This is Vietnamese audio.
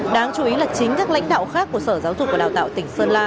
đáng chú ý là chính các lãnh đạo khác của sở giáo dục và đào tạo tỉnh sơn la